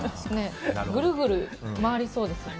ぐるぐる回りそうですよね。